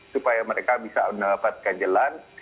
supaya mereka bisa mendapatkan jalan